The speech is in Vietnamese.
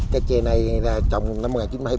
cây trà này là trồng năm một nghìn chín trăm hai mươi bảy